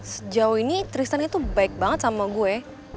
sejauh ini tristan itu baik banget sama gue